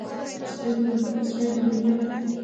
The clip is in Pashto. سپی مې په مینه ګوري.